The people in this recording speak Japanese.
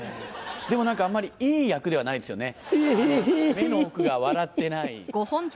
でも何かあんまりいい役ではないんですよね。